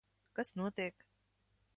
Kas notiek?